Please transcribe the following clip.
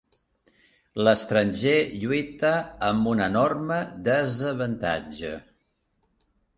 L'estranger lluita amb un enorme desavantatge